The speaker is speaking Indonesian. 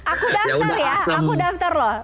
aku daftar ya aku daftar loh